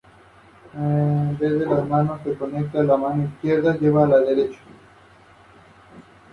Su padre era negro proveniente de Palmira, Valle del Cauca.